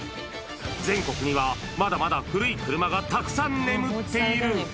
全国にはまだまだ古い車がたくさん眠っている。